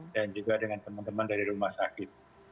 juga dengan teman teman dari rumah sakit